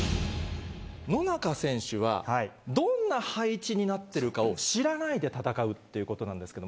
野中選手は、どんな配置になってるかを知らないで戦うということなんですけど。